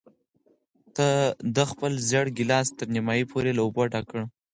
ده خپل زېړ ګیلاس تر نیمايي پورې له اوبو ډک کړ.